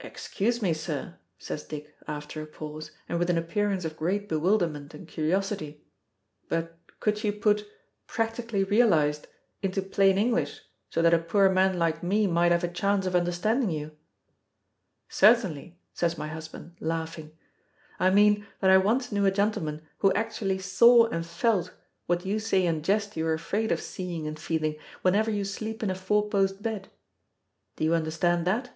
"Excuse me, sir," says Dick, after a pause, and with an appearance of great bewilderment and curiosity; "but could you put 'practically realized' into plain English, so that a poor man like me might have a chance of understanding you?" "Certainly!" says my husband, laughing. "I mean that I once knew a gentleman who actually saw and felt what you say in jest you are afraid of seeing and feeling whenever you sleep in a four post bed. Do you understand that?"